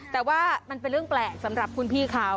แต่ว่ามันเป็นเรื่องแปลกสำหรับคุณพี่เขา